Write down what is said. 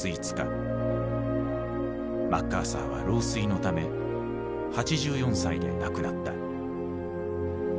マッカーサーは老衰のため８４歳で亡くなった。